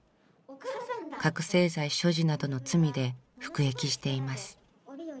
覚醒剤所持などの罪で服役しています。